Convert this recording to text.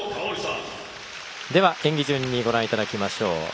では演技順にご覧いただきましょう。